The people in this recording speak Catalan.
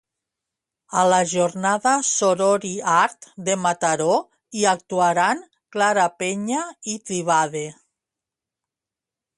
A la jornada Sorori-Art de Mataró hi actuaran Clara Peya i Tribade.